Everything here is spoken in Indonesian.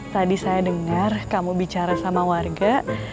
tadi saya dengar kamu bicara sama warga